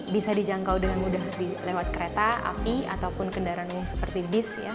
bisa dijangkau dengan mudah lewat kereta api ataupun kendaraan umum seperti bis ya